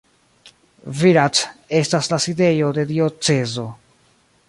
Virac estas la sidejo de diocezo.